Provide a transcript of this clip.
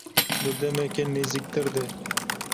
Di demeke nêzîktir de.